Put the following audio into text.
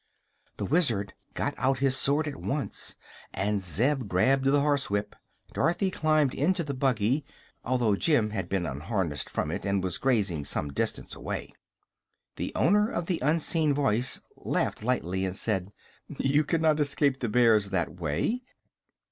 The Wizard got out his sword at once, and Zeb grabbed the horse whip. Dorothy climbed into the buggy, although Jim had been unharnessed from it and was grazing some distance away. The owner of the unseen voice laughed lightly and said: "You cannot escape the bears that way."